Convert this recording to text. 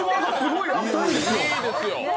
いいですよ。